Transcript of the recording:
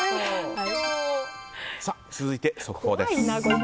続いて速報です。